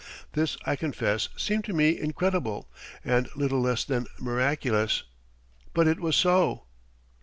This, I confess, seemed to me incredible, and little less than miraculous, but it was so.